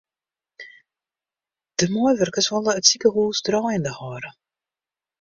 De meiwurkers wolle it sikehús draaiende hâlde.